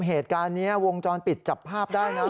เหตุการณ์นี้วงจรปิดจับภาพได้นะ